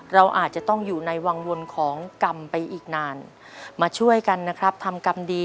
เราอาจจะต้องอยู่ในวังวลของกรรมไปอีกนานมาช่วยกันนะครับทำกรรมดี